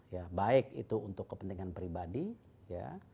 ya baik itu untuk kepentingan pribadi ya